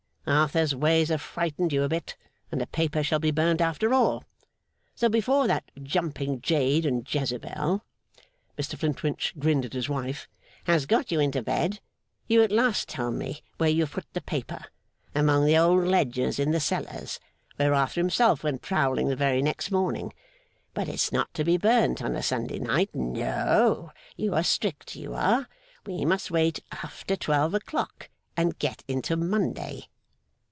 Arthur's ways have frightened you a bit, and the paper shall be burnt after all. So, before that jumping jade and Jezebel,' Mr Flintwinch grinned at his wife, 'has got you into bed, you at last tell me where you have put the paper, among the old ledgers in the cellars, where Arthur himself went prowling the very next morning. But it's not to be burnt on a Sunday night. No; you are strict, you are; we must wait over twelve o'clock, and get into Monday.